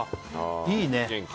いいね。